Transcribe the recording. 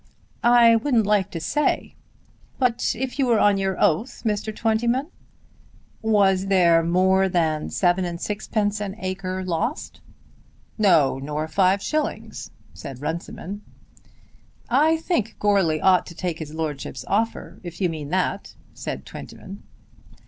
"I wouldn't like to say." "But if you were on your oath, Mr. Twentyman? Was there more than seven and sixpence an acre lost?" "No, nor five shillings," said Runciman. "I think Goarly ought to take his lordship's offer if you mean that," said Twentyman.